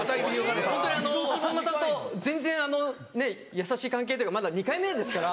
ホントにさんまさんも全然ねっ優しい関係というかまだ２回目ですから。